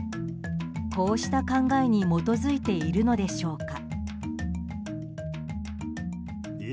こうした考えに基づいているのでしょうか。